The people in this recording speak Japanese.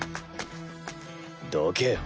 どけよ。